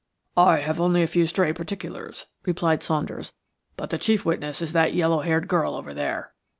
"I have only a few stray particulars," replied Saunders, "but the chief witness is that yellow haired girl over there.